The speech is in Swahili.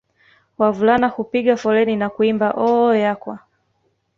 Wavulana hupiga foleni na kuimba Oooooh yakwa